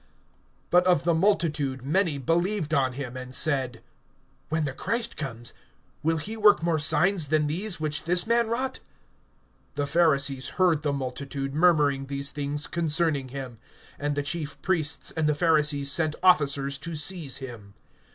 (31)But of the multitude many believed on him, and said: When the Christ comes, will he work more signs than these which this man wrought? (32)The Pharisees heard the multitude murmuring these things concerning him; and the chief priests and the Pharisees sent officers to seize him.